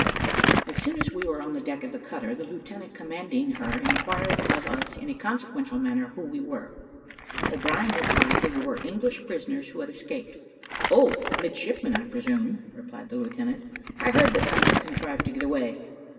As soon as we were on the deck of the cutter, the lieutenant commanding her inquired of us in a consequential manner who we were. O'Brien replied that we were English prisoners who had escaped. "Oh, midshipmen, I presume," replied the lieutenant; "I heard that some had contrived to get away."